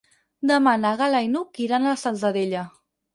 Demà na Gal·la i n'Hug iran a la Salzadella.